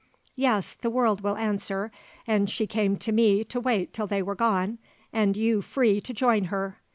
Yes, the world will answer, and she came to me to wait till they were gone and you free to join her.